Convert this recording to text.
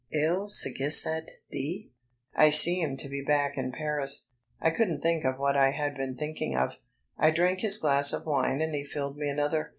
"Il s'agissait de...?" I seemed to be back in Paris, I couldn't think of what I had been thinking of. I drank his glass of wine and he filled me another.